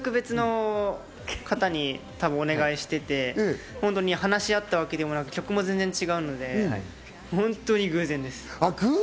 全く別の方にお願いしていて、本当に話し合ったわけでもなく、曲も全然違うので本当に偶然です。